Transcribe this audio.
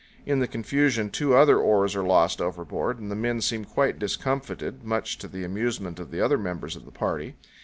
In the confusion two other oars are lost overboard, and the men seem quite discomfited, much to the amusement of the other members of the party.